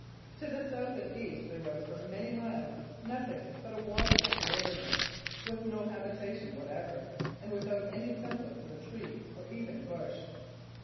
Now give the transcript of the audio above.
To the south and east there was, for many miles, nothing but a waterless wilderness, with no habitation whatever and without any semblance of a tree or even bush.